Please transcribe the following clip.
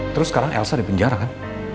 terus sekarang elsa di penjara kan